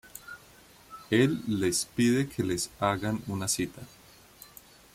Él les pide que les hagan una cita.